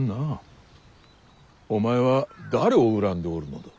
お前は誰を恨んでおるのだ？